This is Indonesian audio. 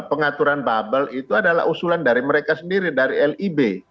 pengaturan bubble itu adalah usulan dari mereka sendiri dari lib